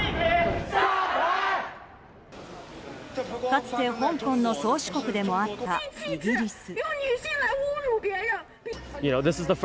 かつて香港の宗主国でもあったイギリス。